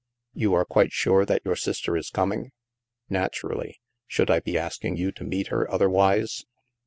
" You are quite sure that your sister is coming? "" Naturally. Should I be asking you to meet her, otherwise?"